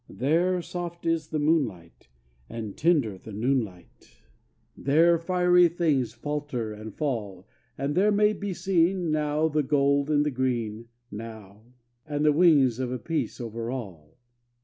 There soft is the moonlight, and tender the noon light; There fiery things falter and fall; And there may be seen, now, the gold and the green, now, And the wings of a peace over all.